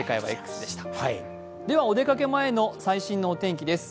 では、お出かけ前の最新のお天気です。